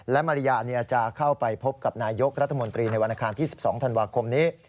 และมาริยาจะเข้าไปพบกับนายกรัฐมนตรีในวันอาคารที่๑๒ธันวาคมนี้